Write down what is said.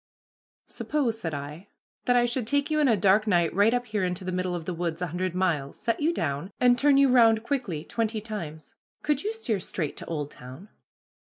"Suppose," said I, "that I should take you in a dark night right up here into the middle of the woods a hundred miles, set you down, and turn you round quickly twenty times, could you steer straight to Oldtown?"